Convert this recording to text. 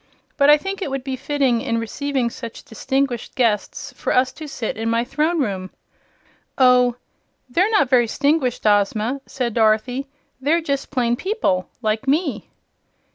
But I think it would be fitting, in receiving such distinguished guests, for us to sit in my Throne Room." "Oh, they're not very 'stinguished, Ozma," said Dorothy. "They're just plain people, like me."